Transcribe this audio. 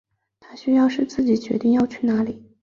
他需要是自己决定要去哪里